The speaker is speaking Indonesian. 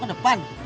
mau ke depan